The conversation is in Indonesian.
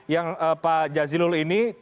yang pak jazilul ini